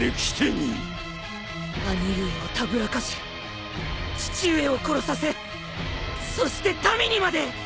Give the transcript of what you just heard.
兄上をたぶらかし父上を殺させそして民にまで！